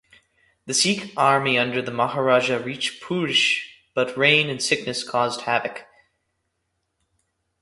The Sikh army under the Maharaja reached Purichh but rain and sickness caused havoc.